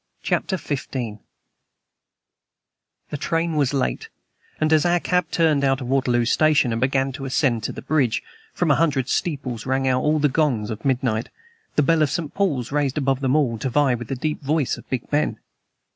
CHAPTER XV THE train was late, and as our cab turned out of Waterloo Station and began to ascend to the bridge, from a hundred steeples rang out the gongs of midnight, the bell of St. Paul's raised above them all to vie with the deep voice of Big Ben.